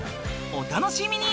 お楽しみに！